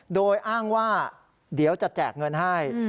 โดยอ้างว่าเดี๋ยวจะแจกเงินให้